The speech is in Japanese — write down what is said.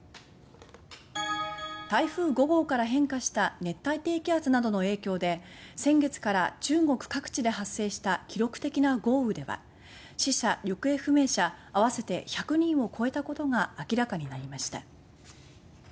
台風５号から変化した熱帯低気圧などの影響で先月から中国各地で発生した記録的な豪雨では死者・行方不明者合わせて１００人を超えたことが明らかになりました。